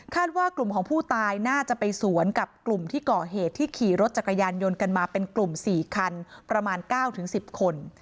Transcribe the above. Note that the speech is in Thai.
ว่ากลุ่มของผู้ตายน่าจะไปสวนกับกลุ่มที่ก่อเหตุที่ขี่รถจักรยานยนต์กันมาเป็นกลุ่ม๔คันประมาณ๙๑๐คน